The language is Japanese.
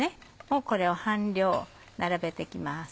これを半量並べて行きます。